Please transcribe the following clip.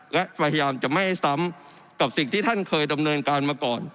และพยายามจะไม่ให้ซ้ำกับสิ่งที่ท่านเคยดำเนินการมาก่อน